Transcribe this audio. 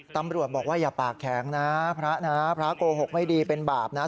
ตำรวจบอกว่าอย่าปากแข็งนะพระนะพระโกหกไม่ดีเป็นบาปนะ